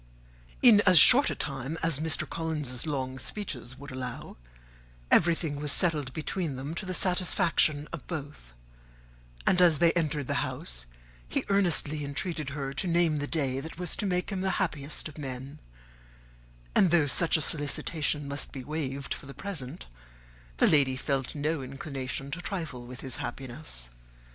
In as short a time as Mr. Collins's long speeches would allow, everything was settled between them to the satisfaction of both; and as they entered the house, he earnestly entreated her to name the day that was to make him the happiest of men; and though such a solicitation must be waived for the present, the lady felt no inclination to trifle with his happiness.